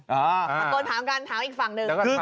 ตะโกนถามกันถามอีกฝั่งหนึ่ง